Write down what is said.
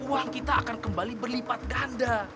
uang kita akan kembali berlipat ganda